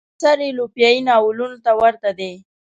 اثر یې اتوپیایي ناولونو ته ورته دی.